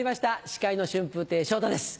司会の春風亭昇太です。